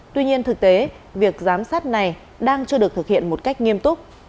tuy nhiên thực tế việc giám sát này đang chưa được thực hiện một cách nghiêm túc